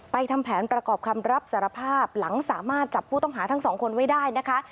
ทำแผนประกอบคำรับสารภาพหลังสามารถจับผู้ต้องหาทั้งสองคนไว้ได้นะคะ